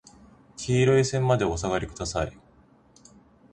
黄色い線までお下りください。